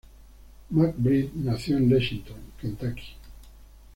McBride nació en Lexington, Kentucky.